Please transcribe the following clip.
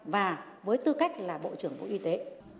và với tư cách là bộ trưởng bộ y tế